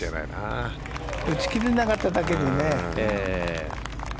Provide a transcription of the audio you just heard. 打ち切れなかっただけにね。